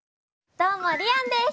どうもりあんです！